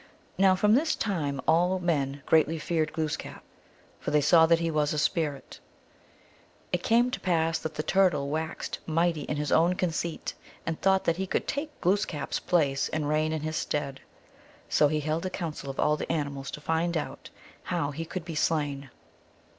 Now from this time all men greatly feared Glooskap, for they saw that he was a spirit. It came to pass that the Turtle waxed mighty in his own conceit, and thought that he could take Gloos kap s place and reign in his stead. So he held a council of all the animals to find out how he could be slain.